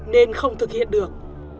nên không thực hiện được